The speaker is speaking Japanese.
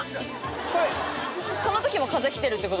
これこの時も風来てるってこと？